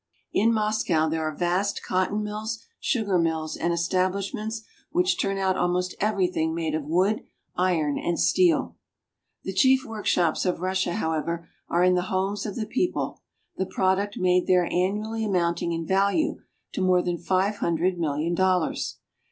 In Moscow there are vast cotton mills, sugar mills, and establishments which turn out almost everything made of wood, iron, and steel. The chief workshops of Russia, however, are in the homes of the people, the product made there annually amounting in value to more than five hundred million dol lars.